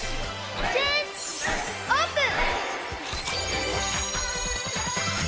チェンジオープン！